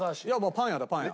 パン屋だパン屋。